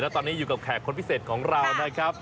ตอนนี้อยู่กับแขกคนพิเศษของเรานะครับ